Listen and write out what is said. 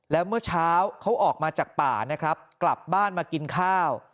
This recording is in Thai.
แล้วเมื่อเช้าเขาออกมาจากป่านะครับกลับบ้านมากินข้าว